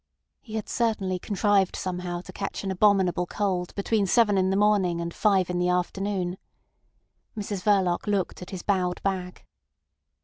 He had certainly contrived somehow to catch an abominable cold between seven in the morning and five in the afternoon. Mrs Verloc looked at his bowed back.